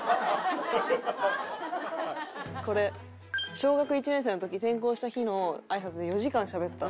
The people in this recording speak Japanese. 「小学１年生の時転校した日の挨拶で４時間喋った」。